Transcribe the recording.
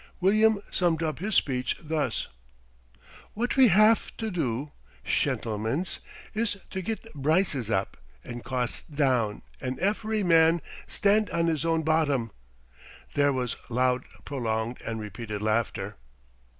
William summed up his speech thus: "What we haf to do, shentlemens, is to get brices up and costs down and efery man stand on his own bottom." There was loud, prolonged, and repeated laughter.